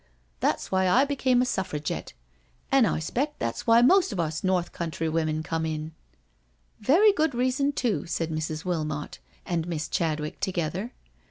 That's why I became a Suffragette— an' I 'spect that's why most of us North Country wimmun come in. ..•'*" Very good reason too," said Mrs. Wilmot and Miss Chadwick together.